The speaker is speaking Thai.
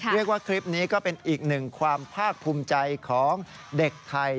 เรียกว่าคลิปนี้ก็เป็นอีกหนึ่งความภาคภูมิใจของเด็กไทย